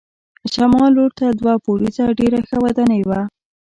شمال لور ته دوه پوړیزه ډېره ښه ودانۍ وه.